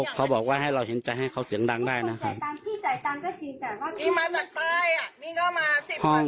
เขาบอกว่าให้เราเห็นใจให้เขาเสียงดังได้นะ